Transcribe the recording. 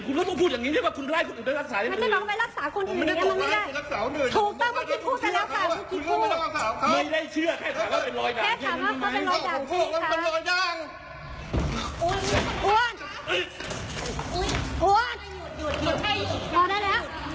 คุณต้องพูดอย่างนี้นะครับที่คุณข้าได้ไปรักษาคนอื่น